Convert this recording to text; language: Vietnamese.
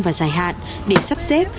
và dài hạn để sắp xếp